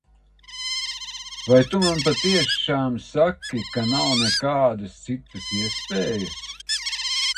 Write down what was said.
Vai tu man patiešām saki, ka nav nekādas citas iespējas?